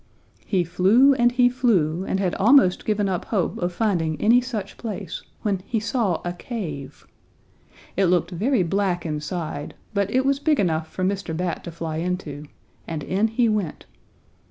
"He flew and he flew and had almost given up hope of finding any such place when he saw a cave. It looked very black inside, but it was big enough for Mr. Bat to fly into, and in he went.